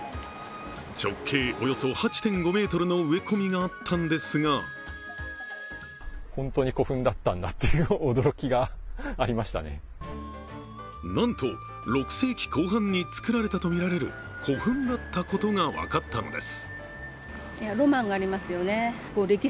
直径およそ８．５ｍの植え込みがあったんですがなんと、６世紀後半に作られたとみられる古墳だったことが分かったのです。